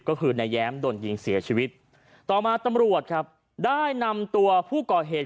ก็คือนายแย้มโดนยิงเสียชีวิตต่อมาตำรวจครับได้นำตัวผู้ก่อเหตุ